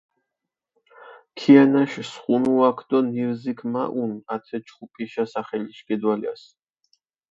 ქიანაშ სხუნუაქ დო ნირზიქ მაჸუნჷ ათე ჩხუპიშა სახელიშ გედვალას.